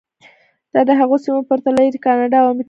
دا د هغو سیمو په پرتله چې پر کاناډا او امریکا بدلې شوې.